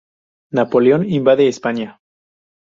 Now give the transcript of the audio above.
Napoleón invade España.